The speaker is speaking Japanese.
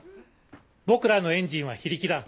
僕らのエンジンは非力だ。